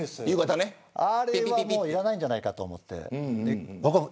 あれはもういらないんじゃないかと思って。